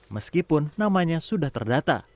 meskipun namanya sudah terdata